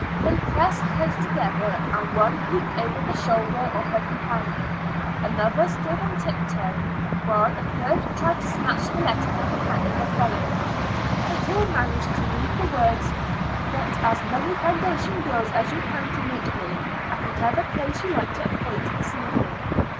They pressed close together, and one peeped over the shoulder of her companion, another stood on tiptoe, while a third tried to snatch the letter from the hand of her fellow; but all managed to read the words: "Get as many foundation girls as you can to meet me, at whatever place you like to appoint, this evening.